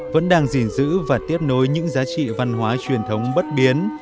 vẫn đang gìn giữ và tiếp nối những giá trị văn hóa truyền thống bất biến